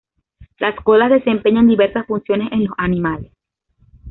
Las colas desempeñan diversas funciones en los animales.